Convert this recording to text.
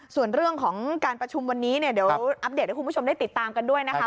ส่วนเรื่องของการประชุมวันนี้เนี่ยเดี๋ยวอัปเดตให้คุณผู้ชมได้ติดตามกันด้วยนะคะ